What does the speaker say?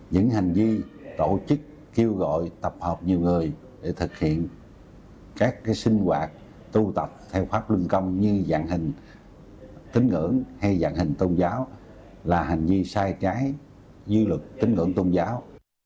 những hành vi tổ chức kêu gọi tập hợp nhiều người để thực hiện các sinh hoạt tụ tập theo pháp luân công như dạng hình tính ngưỡng hay dạng hình tôn giáo là hành vi sai trái như luật tính ngưỡng tôn giáo